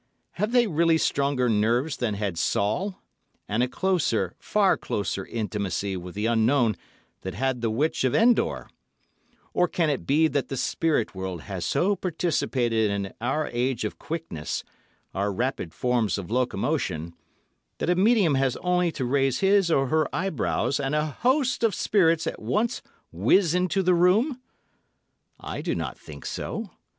Have they really stronger nerves than had Saul, and a closer, far closer intimacy with the Unknown than had the Witch of Endor, or can it be that the Spirit World has so participated in our age of quickness—our rapid forms of locomotion—that a medium has only to raise his or her eyebrows and a host of spirits at once whiz into the room? I do not think so.